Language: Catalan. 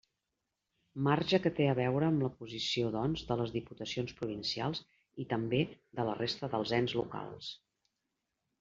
Marge que té a veure amb la posició, doncs, de les diputacions provincials i, també, de la resta dels ens locals.